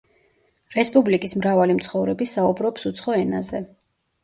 რესპუბლიკის მრავალი მცხოვრები საუბრობს უცხო ენაზე.